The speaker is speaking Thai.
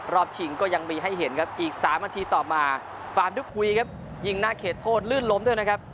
ชิงก็ยังมีให้เห็นครับอีก๓นาทีต่อมาฟาร์มทุกคุยครับยิงหน้าเขตโทษลื่นล้มด้วยนะครับ